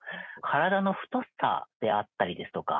体の太さであったりですとか。